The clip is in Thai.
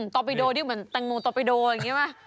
ตอบิโดนี่เหมือนแตงโมตอบิโดอย่างนี้ไหม